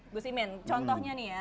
gus imin contohnya nih ya